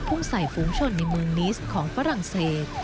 พุ่งใส่ฝูงชนในเมืองนิสต์ของฝรั่งเศส